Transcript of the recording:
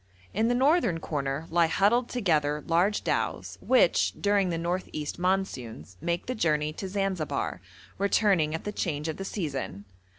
In the northern corner lie huddled together large dhows, which, during the north east monsoons, make the journey to Zanzibar, returning at the change of the season.